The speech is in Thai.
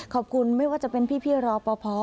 ขอบคุณไม่ว่าจะเป็นพี่รอพอ